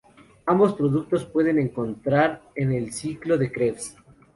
Ambos productos pueden entrar en el ciclo de Krebs.